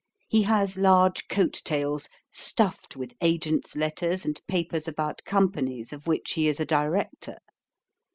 He has large coat tails, stuffed with agents' letters and papers about companies of which he is a Director.